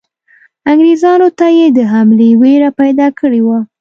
انګریزانو ته یې د حملې وېره پیدا کړې وه.